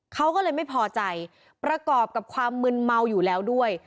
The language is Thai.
เขาก็เลยไม่พอใจประกอบกับความมึนเมาอยู่แล้วด้วย